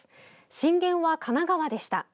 震源は神奈川でした。